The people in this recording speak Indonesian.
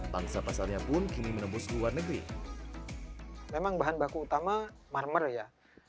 bangsa pasarnya pun kini menembus luar negeri memang bahan baku utama marmer ya